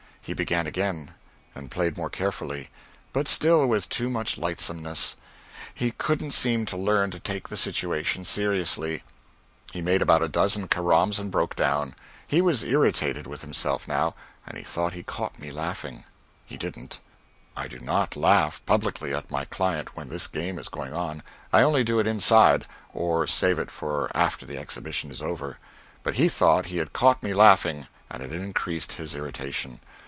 He began again, and played more carefully, but still with too much lightsomeness; he couldn't seem to learn to take the situation seriously. He made about a dozen caroms and broke down. He was irritated with himself now, and he thought he caught me laughing. He didn't. I do not laugh publicly at my client when this game is going on; I only do it inside or save it for after the exhibition is over. But he thought he had caught me laughing, and it increased his irritation.